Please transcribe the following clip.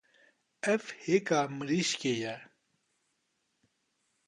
Ev hêka mirîşkê ye.